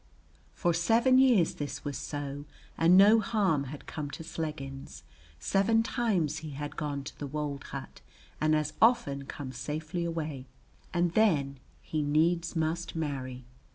For seven years this was so and no harm had come to Sleggins, seven times he had gone to wold hut and as often come safely away; and then he needs must marry.